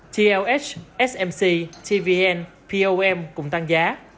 tlh smc tvn pom cũng tăng giá